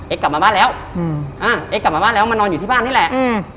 อ๋อเอ็กซ์กลับมาบ้านแล้วเอ็กซ์กลับมาบ้านแล้วมันนอนอยู่ที่บ้านนี่แหละ